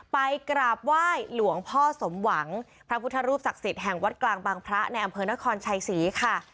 ไปกราบไหว้หลวงพ่อสมหวังพระพุทธรูปศักดิ์สิทธิ์แห่งวัดกลางบางพระในอำเภอนครชัยศรีค่ะ